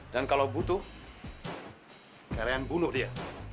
dan kalau butuh kalian bunuh dia